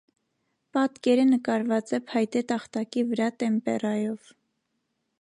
Պատկերը նկարված է փայտե տախտակի վրա տեմպերայով։